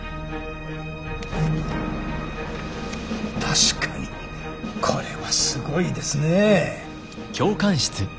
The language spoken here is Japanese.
確かにこれはすごいですねぇ。